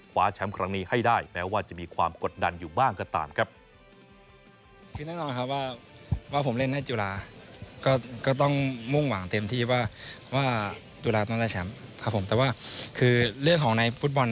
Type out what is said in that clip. แชมป์ครั้งนี้ให้ได้แม้ว่าจะมีความกดดันอยู่บ้างก็ตามครับ